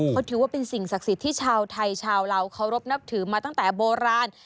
เขาถือว่าเป็นสิ่งศักดิ์สิทธิ์ที่ชาวไทยชาวลาวเคารพนับถือมาตั้งแต่โบราณ